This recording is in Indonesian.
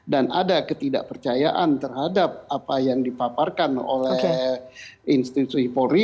dan ada ketidakpercayaan terhadap apa yang dipaparkan oleh institusi polri